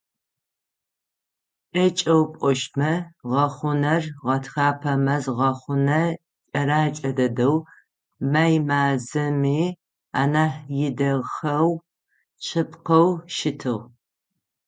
КӀэкӀэу пӀощтмэ, гъэхъунэр гъэтхэпэ мэз гъэхъунэ кӀэрэкӀэ дэдэу, май мазэми анахь идэхэгъу шъыпкъэу щытыгъ.